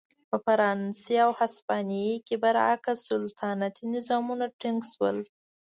په فرانسې او هسپانیې کې برعکس سلطنتي نظامونه ټینګ شول.